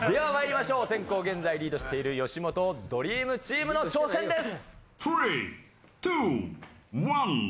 先攻現在リードしている吉本ドリームチームの挑戦です。